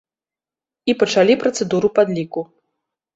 І пачалі працэдуру падліку.